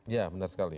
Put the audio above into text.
ya benar sekali